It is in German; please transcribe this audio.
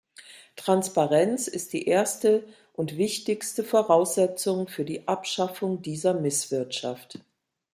Transparenz ist die erste und wichtigste Voraussetzung für die Abschaffung dieser Misswirtschaft.